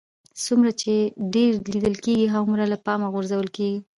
څومره چې ډېر لیدل کېږئ هغومره له پامه غورځول کېږئ